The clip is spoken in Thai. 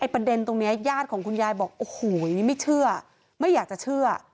ประเด็นตรงนี้ญาติของคุณยายบอกโอ้โหไม่เชื่อไม่อยากจะเชื่อ